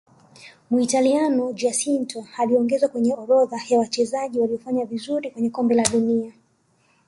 muitaliano giacinto aliongezwa kwenye orodha ya wachezaji waliofanya vizuri kwenye Kombe la dunia